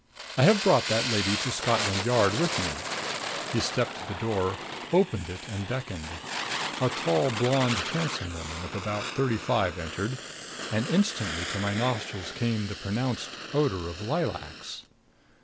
I have brought that lady to Scotland Yard with me." He stepped to the door, opened it and beckoned. A tall, blonde handsome woman of about thirty five entered; and instantly to my nostrils came the pronounced odor of lilacs.